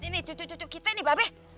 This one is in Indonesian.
ini cucuk cucuk kita nih babe